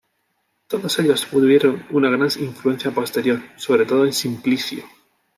Todos ellos tuvieron una gran influencia posterior, sobre todo en Simplicio.